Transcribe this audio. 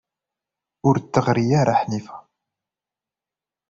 Ur d-teɣri ara Ḥnifa.